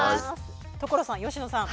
所さん佳乃さん。